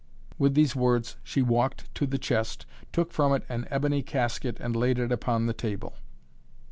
With these words she walked to the chest, took from it an ebony casket and laid it upon the table.